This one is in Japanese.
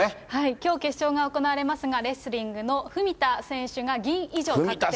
きょう決勝が行われますが、レスリングの文田選手が銀以上確定。